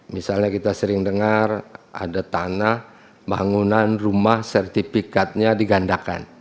misalnya kita sering dengar ada tanah bangunan rumah sertifikatnya digandakan